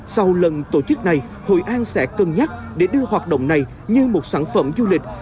sau lần tổ chức này hội an sẽ cân nhắc để đưa hoạt động này như một sản phẩm du lịch